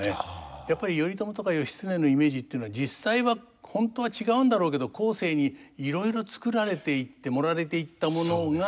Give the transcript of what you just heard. やっぱり頼朝とか義経のイメージっていうのは実際は本当は違うんだろうけど後世にいろいろ作られていって盛られていったものが。